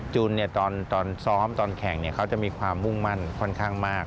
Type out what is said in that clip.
ตอนซ้อมตอนแข่งเขาจะมีความมุ่งมั่นค่อนข้างมาก